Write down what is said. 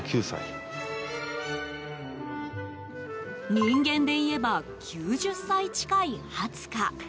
人間でいえば９０歳近いハツカ。